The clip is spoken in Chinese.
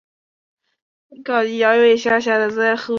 她是与长兄威廉二世一起成长的。